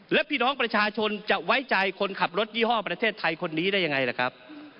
และพี่น้องประชาชนจะไว้ใจคนขับรถยี่ห้อประเทศไทยคนนี้ได้ยังไงล่ะครับ